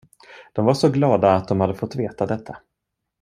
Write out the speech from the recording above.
De var så glada att de hade fått veta detta.